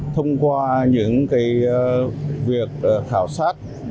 thông qua những việc khảo sát